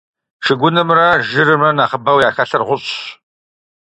Шыгунымрэ жырымрэ нэхъыбэу яхэлъыр гъущӀщ.